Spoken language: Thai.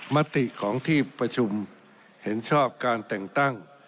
มติของที่ประชุมเห็นชอบการแต่งตั้ง